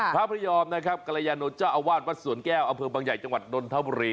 พระพระยอมนะครับกรยานนท์เจ้าอาวาสวัดสวนแก้วอำเภอบางใหญ่จังหวัดนนทบุรี